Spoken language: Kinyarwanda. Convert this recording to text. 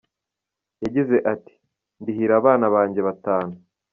Yagize ati “Ndihira abana banjye batanu.